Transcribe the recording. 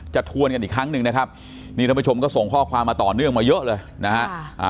ทวนกันอีกครั้งหนึ่งนะครับนี่ท่านผู้ชมก็ส่งข้อความมาต่อเนื่องมาเยอะเลยนะฮะ